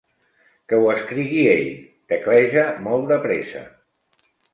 Que ho escrigui ell: tecleja molt de pressa.